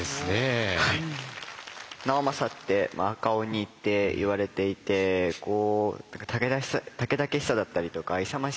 直政って赤鬼っていわれていてたけだけしさだったりとか勇ましさ